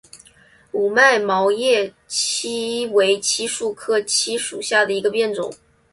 五脉毛叶槭为槭树科槭属下的一个变种。